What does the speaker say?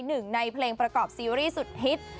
หนึ่งในเพลงประกอบซีรีส์สุดฮิต